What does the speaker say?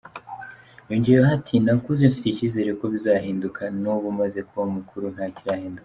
Yongeyeho ati “Nakuze mfite icyizere ko bizahinduka, n’ ubu maze kuba mukuru ntakirahinduka.